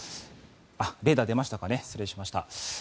レーダー出ましたかね失礼しました。